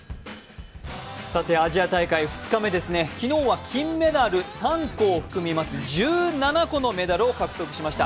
アジア大会２日目ですね、金メダル３個を含む１７個のメダルを獲得しました。